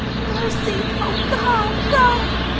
—mercy!—oh God—God!